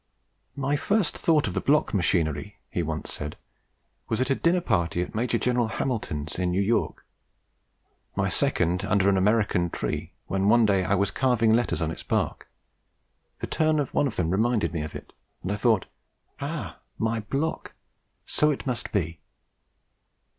"My first thought of the block machinery," he once said, "was at a dinner party at Major General Hamilton's, in New York; my second under an American tree, when, one day that I was carving letters on its bark, the turn of one of them reminded me of it, and I thought, 'Ah! my block! so it must be.'